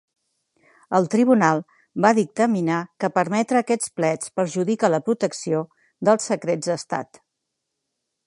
El tribunal va dictaminar que permetre aquests plets perjudica la protecció dels secrets d'estat.